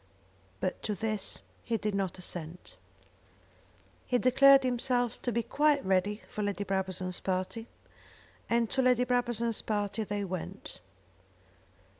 But to this he did not assent. He declared himself to be quite ready for Lady Brabazon's party, and to Lady Brabazon's party they went.